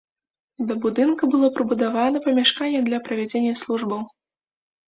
Да будынка было прыбудавана памяшканне для правядзення службаў.